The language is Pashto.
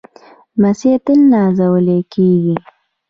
لمسی تل نازول کېږي.